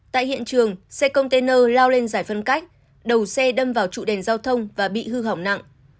tại hiện trường xe container lao lên giải phân cách đầu xe đâm vào trụ đèn giao thông và bị hư hỏng nặng